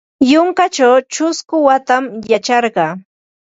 Yunkaćhaw ćhusku watam yacharqa.